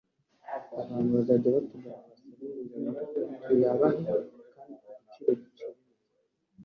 abantu bazajya batugana basabe inguzanyo tuyabahe kandi ku giciro giciriritse